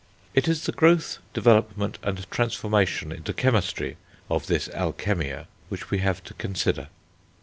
It is the growth, development, and transformation into chemistry, of this alchemia which we have to consider.